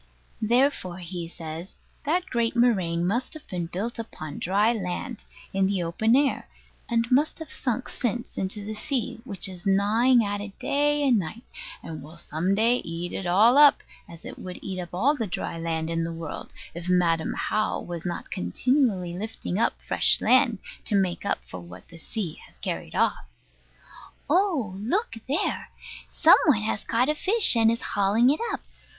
Therefore, he says, that great moraine must have been built upon dry land, in the open air; and must have sunk since into the sea, which is gnawing at it day and night, and will some day eat it all up, as it would eat up all the dry land in the world, if Madam How was not continually lifting up fresh land, to make up for what the sea has carried off. Oh, look there! some one has caught a fish, and is hauling it up.